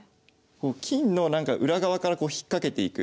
金の裏側から引っ掛けていく？